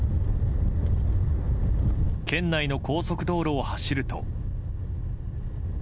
県内の高速道路を走ると。